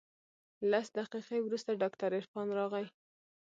لس دقيقې وروسته ډاکتر عرفان راغى.